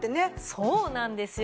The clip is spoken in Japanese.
そうなんですよ。